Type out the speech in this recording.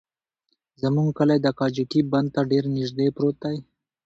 زموږ کلى د کجکي بند ته ډېر نژدې پروت دى.